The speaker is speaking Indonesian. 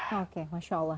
oke masya allah